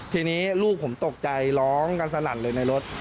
ทีนี้ลูกผมตกใจร้องกันสลั่นเลยในรถ